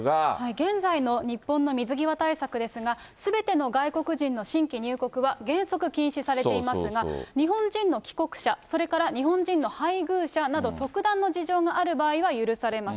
現在の日本の水際対策ですが、すべての外国人の新規入国は原則禁止されていますが、日本人の帰国者、それから日本人の配偶者など、特段の事情がある場合は許されます。